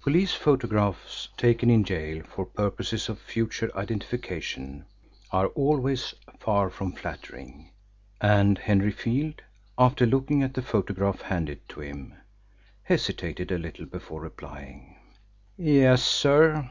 Police photographs taken in gaol for purposes of future identification are always far from flattering, and Henry Field, after looking at the photograph handed to him, hesitated a little before replying: "Yes, sir."